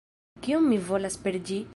Kion mi volas per ĝi?